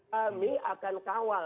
kami akan kawal